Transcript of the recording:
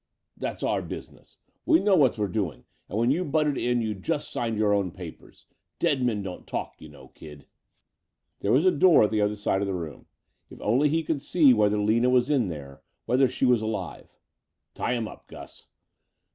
"That's our business. We know what we're doin', and when you butted in you just signed your own papers. Dead men don't talk, you know, kid!" There was a door at the other side of the room. If only he could see whether Lina was in there; whether she was alive. "Tie him up, Gus!"